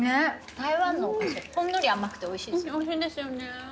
台湾のお菓子ほんのり甘くておいしいですよね。